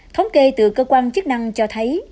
thống kê từ cơ quan chức năng cho thấy